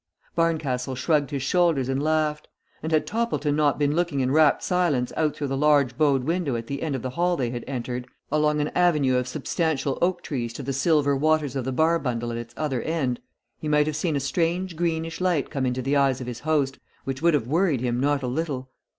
Barncastle shrugged his shoulders and laughed; and had Toppleton not been looking in rapt silence out through the large bowed window at the end of the hall they had entered, along an avenue of substantial oak trees to the silver waters of the Barbundle at its other end, he might have seen a strange greenish light come into the eyes of his host, which would have worried him not a little.